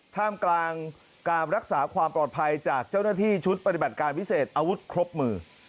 ท่ามกลางการรักษาความปลอดภัยจากเจ้าหน้าที่ชุดปฏิบัติการพิเศษอาวุธครบมือ